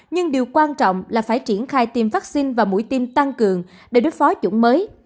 nhưng điều quan trọng là phải triển khai tiêm vaccine và mũi tiêm tăng cường để đối phó chủng mới